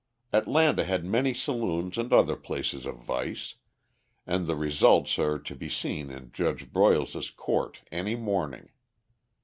Atlanta had many saloons and other places of vice; and the results are to be seen in Judge Broyles's court any morning.